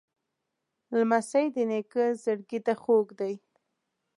لمسی د نیکه زړګي ته خوږ دی.